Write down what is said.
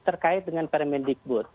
terkait dengan perimen digbud